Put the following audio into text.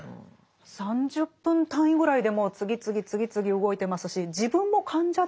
３０分単位ぐらいでもう次々次々動いてますし自分も患者ですものね。